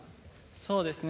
そうですね。